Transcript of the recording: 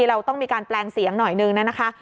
เราต้องมีการแปลงเสียงหน่อยนึงนะคะ